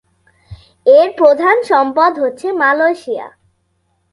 এর প্রধান সম্পদ হচ্ছে মালয়েশিয়া।